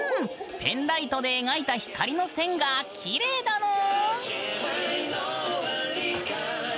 ペンライトで描いた光の線がきれいだぬん！